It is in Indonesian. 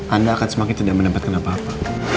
anda akan semakin tidak mendapatkan apa apa